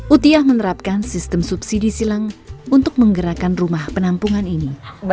utiah menerapkan sistem subsidi silang untuk menggerakkan rumah penampungan ini